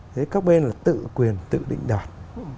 thế các bên là tự quyền tự định đoạt